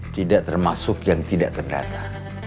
tidak termasuk yang tidak terdata